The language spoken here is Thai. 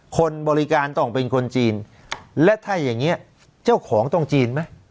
คนบริการต้องเป็นคนจีนและถ้าอย่างนี้เจ้าของต้องจีนไหม